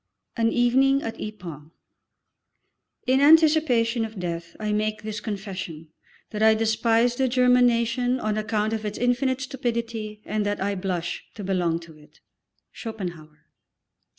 _" X AN EVENING AT YPRES "In anticipation of death I make this confession, that I despise the German nation on account of its infinite stupidity, and that I blush to belong to it." SCHOPENHAUER.